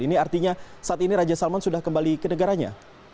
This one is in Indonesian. ini artinya saat ini raja salman sudah kembali ke negaranya